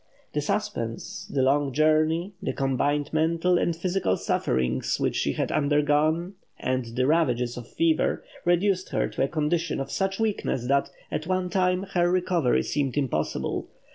The suspense, the long journey, the combined mental and physical sufferings which she had undergone, and the ravages of fever, reduced her to a condition of such weakness that, at one time, her recovery seemed impossible.